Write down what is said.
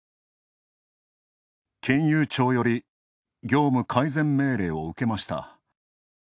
金融庁より、業務改善命令を受けました。